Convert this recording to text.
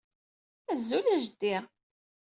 Azul a jeddi.